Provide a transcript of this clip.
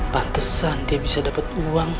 pantesan dia bisa dapat uang